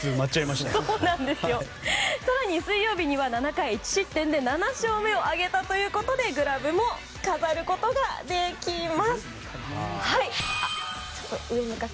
しかも水曜日には７勝目を挙げたということでグラブも飾ることができます。